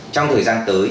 trong thời gian tới